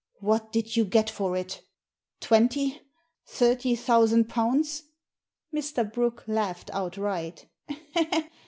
"What did you get for it? Twenty — thirty thousand pounds ?" Mr. Brooke laughed outright.